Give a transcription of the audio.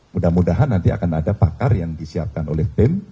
mudah mudahan nanti akan ada pakar yang disiapkan oleh tim